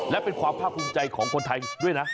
และเป็นความภาคภูมิใจของคนไทยด้วยนะ